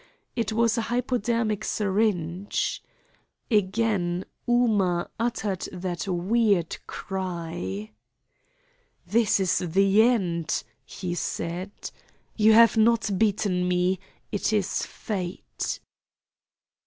It was a hypodermic syringe. Again Ooma uttered that weird cry. "This is the end," he said. "You have not beaten me. It is Fate."